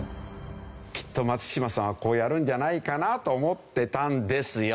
きっと松嶋さんはこうやるんじゃないかなと思ってたんですよ！